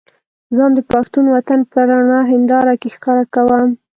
ځان د پښتون وطن په رڼه هينداره کې ښکاره کوم.